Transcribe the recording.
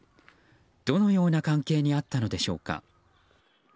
どのような関係にあったのでしょうか。